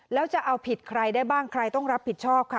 แล้วจะเอาผิดใครได้บ้างใครต้องรับผิดชอบค่ะ